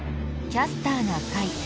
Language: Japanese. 「キャスターな会」。